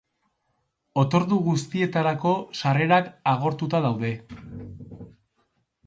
Otordu guztietarako sarrerak agortuta daude.